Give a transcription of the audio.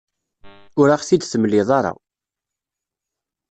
Ur aɣ-t-id-temliḍ ara.